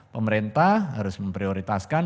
pemerintah harus memprioritaskan